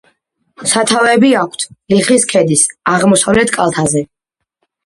სათავეები აქვთ ლიხის ქედის აღმოსავლეთ კალთაზე.